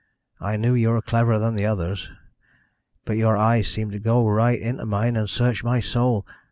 I knew you were cleverer than the others. But your eyes seemed to go right into mine, and search my soul.